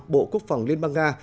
bộ quốc phòng liên bang nga